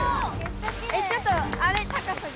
えちょっとあれ高さが。